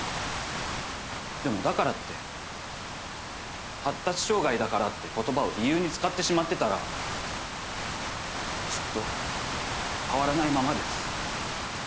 でもだからって発達障害だからって言葉を理由に使ってしまってたらずっと変わらないままです。